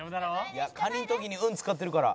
「いや蟹の時に運使ってるから」